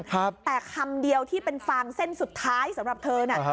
แต่คำเดียวที่เป็นฟางเส้นสุดท้ายสำหรับเธอน่ะ